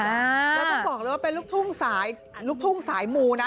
แล้วต้องบอกเลยว่าเป็นลูกทุ่งสายลูกทุ่งสายมูนะ